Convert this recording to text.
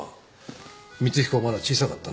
光彦はまだ小さかったな。